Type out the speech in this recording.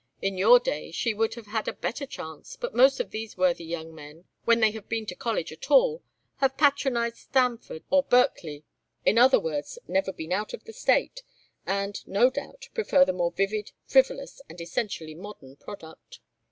In your day she would have had a better chance, but most of these worthy young men, when they have been to college at all, have patronized Stanford or Berkeley; in other words, never been out of the State, and, no doubt, prefer the more vivid, frivolous, and essentially modern product."